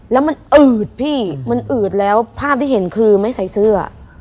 แล้วมันอืดพี่มันอืดแล้วภาพที่เห็นคือไม่ใส่เสื้อ